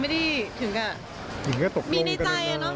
อีกแล้วตกลงก็เลยนะมีในใจอะเนอะ